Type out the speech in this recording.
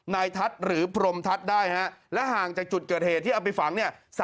นายทัศน์หรือพรมทัศน์ได้ฮะและห่างจากจุดเกิดเหตุที่เอาไปฝังเนี่ย